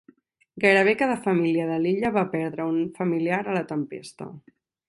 Gairebé cada família de l'illa va perdre un familiar a la tempesta.